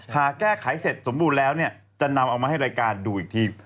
หากแก้ไขเสร็จสมบูรณ์แล้วเนี่ยจะนำเอามาให้รายการดูอีกที